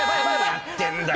何やってんだよ！